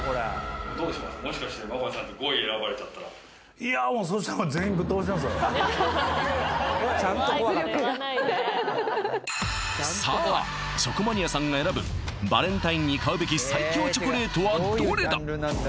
いやもうそうしたらさあチョコマニアさんが選ぶバレンタインに買うべき最強チョコレートはどれだ